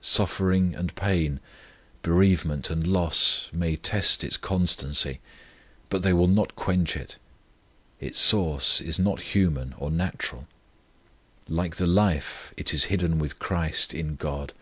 Suffering and pain, bereavement and loss may test its constancy, but they will not quench it. Its source is not human or natural; like the life, it is hidden with CHRIST in GOD.